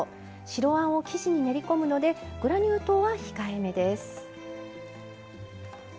白あんを生地に練り込むのでグラニュー糖は控えめです。